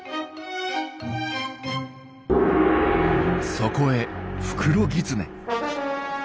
そこへフクロギツネ。